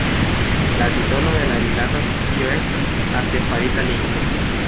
La titolo de la rilata sekcio estas Artefarita lingvo.